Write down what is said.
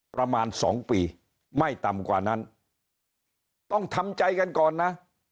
ประมาณสองปีไม่ต่ำกว่านั้นต้องทำใจกันก่อนนะ